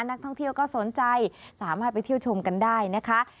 นักท่องเที่ยวก็สนใจสามารถไปเที่ยวชมกันได้นะคะ